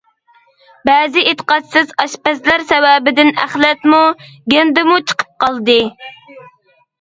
بەزى ئېتىقادسىز «ئاشپەزلەر» سەۋەبىدىن ئەخلەتمۇ، گەندىمۇ چىقىپ قالدى.